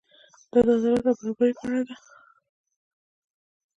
دا د عدالت او برابرۍ په اړه دی.